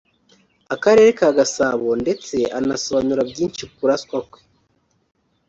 Akarere ka Gasabo ndetse anasobanura byinshi ku kuraswa kwe